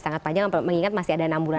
sangat panjang mengingat masih ada enam bulan